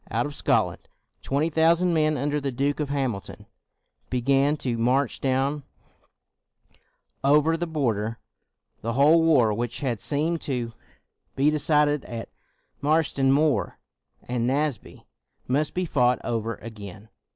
Out of Scotland, twenty thousand men under the Duke of Hamilton began to march down over the border. The whole war which had seemed to be decided at Marston Moor and 250 CROMWELL Naseby must be fought over again.